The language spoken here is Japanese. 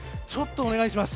お願いします。